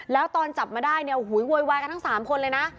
แล้วตอนจับมาได้เนี่ยโอ้โหโวยวายกันทั้ง๓คนเลยนะ